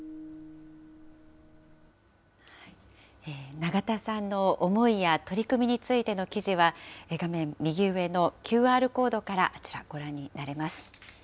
永田さんの思いや取り組みについての記事は、画面右上のＱＲコードから、こちら、ご覧になれます。